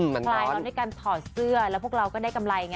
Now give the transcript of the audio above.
คลายเราด้วยการถอดเสื้อแล้วพวกเราก็ได้กำไรไง